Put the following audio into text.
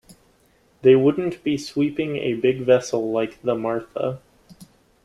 They wouldn't be sweeping a big vessel like the Martha.